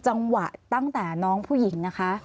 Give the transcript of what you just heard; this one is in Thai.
จังหวะตั้งแต่น้องผู้หญิงนะคะ